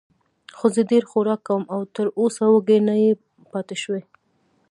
خو زه ډېر خوراک کوم او تراوسه وږی نه یم پاتې شوی.